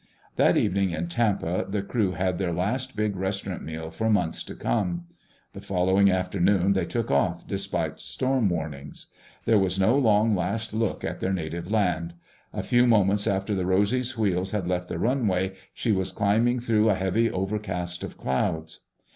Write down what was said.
That evening in Tampa the crew had their last big restaurant meal for months to come. The following afternoon they took off despite storm warnings. There was no long last look at their native land. A few moments after the Rosy's wheels had left the runway she was climbing through a heavy overcast of clouds.